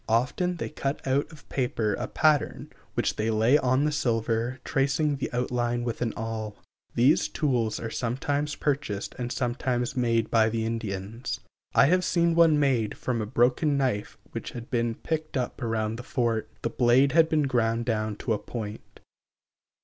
Often they cut out of paper a pattern, which they lay on the silver, tracing the outline with an awl. These tools are sometimes purchased and sometimes made by the Indians. I have seen one made from a broken knife which had been picked up around the fort. The blade had been ground down to a point.